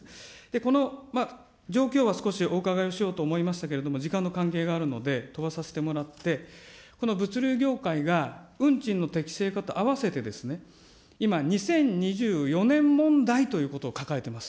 この状況は少しお伺いをしようと思いましたけれども、時間の関係があるので飛ばさせてもらって、この物流業界が運賃の適正化と合わせてですね、今、２０２４年問題ということを抱えています。